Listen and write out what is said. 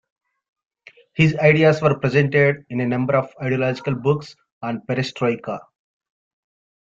His ideas were presented in a number of ideological books on perestroika.